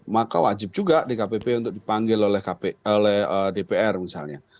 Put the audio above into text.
maka wajib juga dkpp untuk dipanggil oleh dpr misalnya